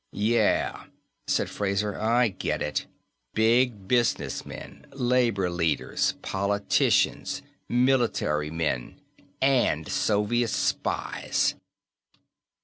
"Yeah," said Fraser. "I get it. Big businessmen. Labor leaders. Politicians. Military men. And Soviet spies!"